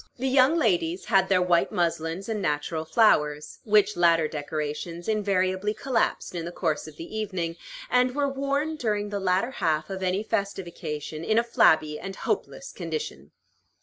The young ladies had their white muslins and natural flowers; which latter decorations invariably collapsed in the course of the evening, and were worn during the latter half of any festive occasion in a flabby and hopeless condition.